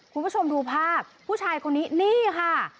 คุณผู้ชมดูภาพผู้ชายคนนี้นี่ค่ะ